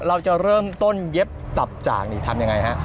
เราจะเริ่มต้นเย็บตับจากนี่ทำยังไงฮะ